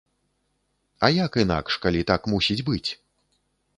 А як інакш, калі так мусіць быць!